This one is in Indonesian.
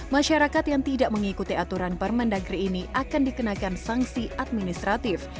masyarakat yang tidak mengikuti aturan permendagri ini akan dikenakan sanksi administratif